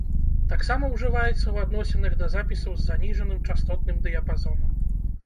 Таксама ўжываецца ў адносінах да запісаў з заніжаным частотным дыяпазонам.